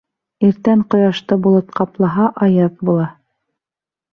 Иртән ҡояшты болот ҡаплаһа, аяҙ була.